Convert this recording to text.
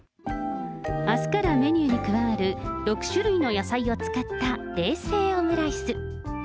あすからメニューに加わる６種類の野菜を使った冷製オムライス。